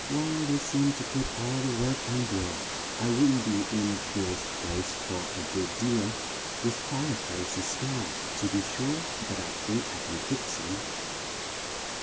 "Why, they seem to put all the work on Bill. I wouldn't be in Bill's place for a good deal; this fire place is small, to be sure, but I think I can kick some."